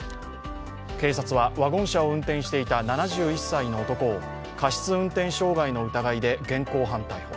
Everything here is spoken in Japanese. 警察は、ワゴン車を運転していた７１歳の男を過失運転傷害の疑いで現行犯逮捕。